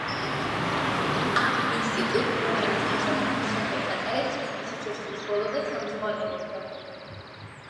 ამ ინსტიტუტს, რომელიც ამჟამად მის სახელს ატარებს, იგი სიცოცხლის ბოლომდე ხელმძღვანელობდა.